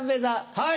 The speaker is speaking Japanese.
はい。